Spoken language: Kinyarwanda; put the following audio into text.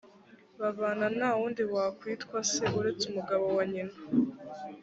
babana nta wundi wakwitwa se uretse umugabo wa nyina